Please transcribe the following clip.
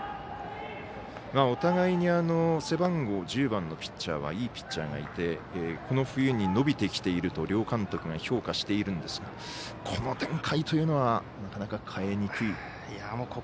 お互いに背番号１０番のいいピッチャーがいてこの冬に伸びてきていると両監督が評価しているんですがこの展開というのはなかなか変えにくいと。